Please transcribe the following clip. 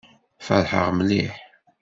Feṛḥeɣ mliḥ.